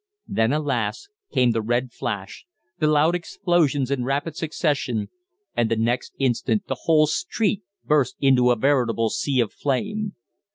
Then, alas! came the red flash, the loud explosions in rapid succession, and the next instant the whole street burst into a veritable sea of flame.